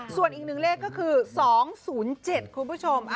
ส่วนอีกหนึ่งเลขก็คือ๒๐๗คุณผู้ชม